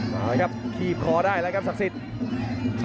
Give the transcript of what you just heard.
มาครับขีบคอได้แล้วครับศักดิ์สิทธิ์